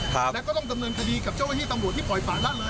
แล้วก็ต้องดำเนินคดีกับเจ้าหน้าที่ตำรวจที่ปล่อยป่าละเลย